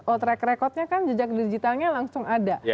oh track recordnya kan jejak digitalnya langsung ada